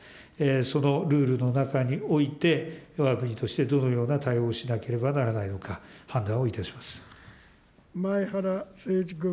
そのルールの中において、わが国としてどのような対応をしなければならないのか、判断をい前原誠司君。